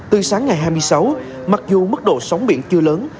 từ sáng ngày hai mươi sáu mặc dù mức độ sóng biển chưa lớn